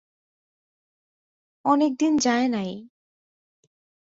অনেক দিন যায় নাই।